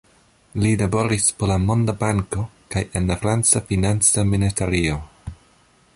Li laboris por la Monda Banko kaj en la franca financa ministerio.